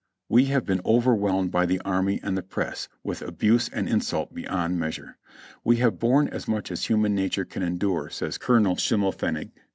We have been overwhelmed by the CHANCE^IvIyORSVILLE 357 army and the press with abuse and insult beyond measure." "We have borne as much as human nature can endure," says Colonel Schimmelfennig.